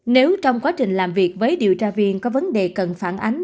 nếu trong quá trình làm việc với điều tra viên có vấn đề cần phản ánh